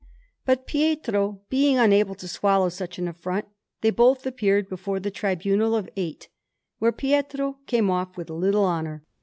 But Pietro being unable to swallow such an affront, they both appeared before the Tribunal of Eight, where Pietro came off with little honour.